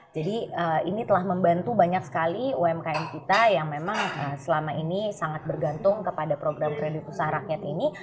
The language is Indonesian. jadi ini telah membantu banyak sekali umkm kita yang memang selama ini sangat bergantung kepada program kredit usaha rakyat ini